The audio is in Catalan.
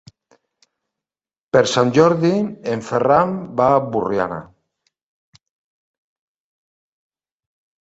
Per Sant Jordi en Ferran va a Borriana.